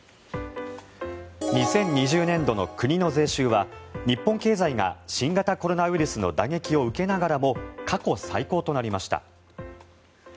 ２０２０年度の国の税収は日本経済が新型コロナウイルスの打撃を受けながらも過去最高となりました。